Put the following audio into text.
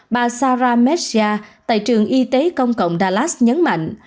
bà sarah messia tại trường y tế công cộng dallas nhấn mạnh